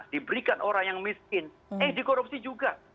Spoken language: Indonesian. diberikan orang yang miskin eh dikorupsi juga